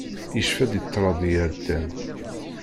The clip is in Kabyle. Yecfa-d i ṭṭrad iɛeddan.